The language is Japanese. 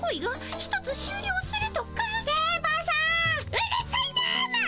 うるさいなもう！